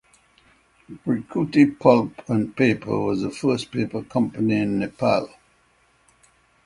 Bhrikuti Pulp and Paper was the first paper company in Nepal.